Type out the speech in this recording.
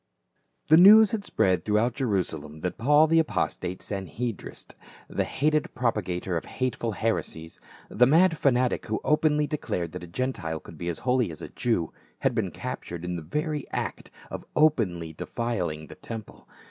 THE news had spread throughout Jerusalem that Paul, the apostate Sanhedrist, the hated propa gator of hateful heresies, the mad fanatic who openly declared that a Gentile could be as holy as a Jew, had been captured in the very act of openly defiling the temple.